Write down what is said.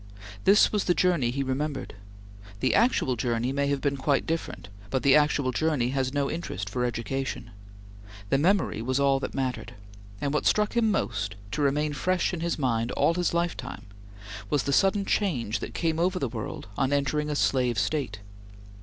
This was the journey he remembered. The actual journey may have been quite different, but the actual journey has no interest for education. The memory was all that mattered; and what struck him most, to remain fresh in his mind all his lifetime, was the sudden change that came over the world on entering a slave State.